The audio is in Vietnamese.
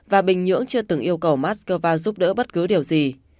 và bình nhưỡng chưa từng yêu cầu moscow giúp đỡ bất cứ điều gì